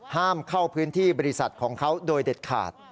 ห้ามเข้าพื้นที่บริษัทของเขาโดยเด็ดขาด